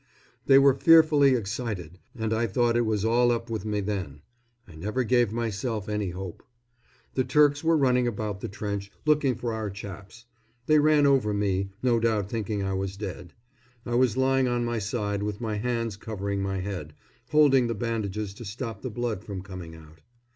They were fearfully excited, and I thought it was all up with me then. I never gave myself any hope. The Turks were running about the trench, looking for our chaps. They ran over me, no doubt thinking I was dead. I was lying on my side, with my hands covering my head, holding the bandages to stop the blood from coming out.